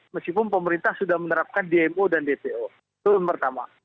meskipun pemerintah sudah menerapkan dmo dan dpo itu yang pertama